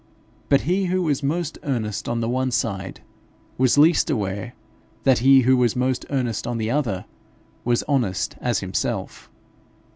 But he who was most earnest on the one side was least aware that he who was most earnest on the other was honest as himself.